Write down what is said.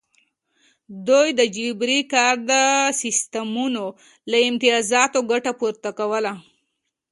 دوی د جبري کار د سیستمونو له امتیازاتو ګټه پورته کوله.